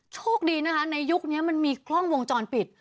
โชคดีนะคะในยุคนี้มันมีกล้องวงจรปิด